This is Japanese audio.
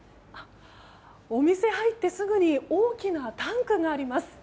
お店入ってすぐに大きなタンクがあります。